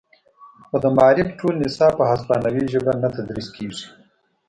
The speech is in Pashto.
خو د معارف ټول نصاب په هسپانوي ژبه نه تدریس کیږي